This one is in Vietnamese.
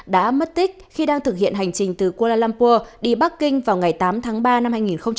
đã mất tích khi đang thực hiện hành trình từ kuala lumpur đi bắc kinh vào ngày tám tháng ba năm hai nghìn hai mươi